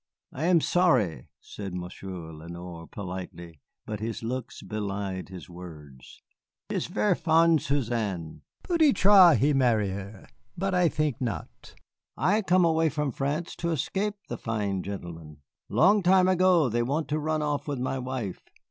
"I am sorry," said Monsieur Lenoir, politely, but his looks belied his words. "He is ver' fond Suzanne. Peut être he marry her, but I think not. I come away from France to escape the fine gentlemen; long time ago they want to run off with my wife.